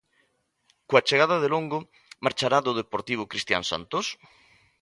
Coa chegada de Longo, marchará do Deportivo Cristian Santos?